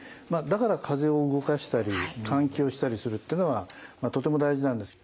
だから風を動かしたり換気をしたりするってのがとても大事なんです。